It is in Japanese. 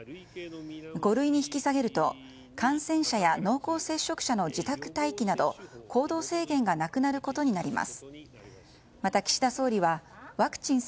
五類に引き下げると感染者や濃厚接触者の自宅待機など、行動制限がなくなることになります。